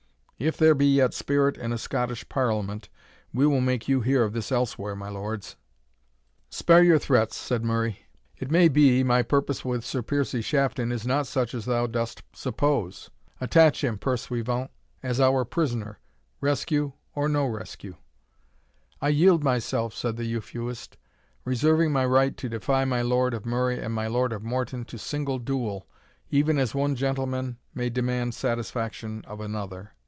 If there be yet spirit in a Scottish Parliament, we will make you hear of this elsewhere, my lords!" "Spare your threats," said Murray; "it may be, my purpose with Sir Piercie Shafton is not such as thou dost suppose Attach him, pursuivant, as our prisoner, rescue or no rescue." "I yield myself," said the Euphuist, "reserving my right to defy my Lord of Murray and my Lord of Morton to single duel, even as one gentleman may demand satisfaction of another."